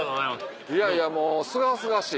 いやいやもうすがすがしい